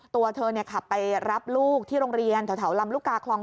ตัวเธอขับไปรับลูกที่โรงเรียนแถวลำลูกกาคลอง